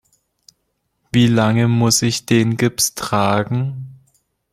Wie lange muss ich den Gips tragen?